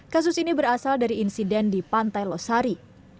kasus ini berasal dari insiden di pantai losari